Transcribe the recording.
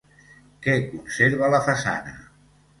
Què conserva la façana?